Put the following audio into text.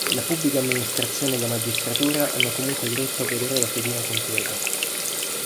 La pubblica amministrazione e la magistratura hanno comunque diritto a vedere la fedina completa.